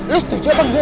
lo setuju atau enggak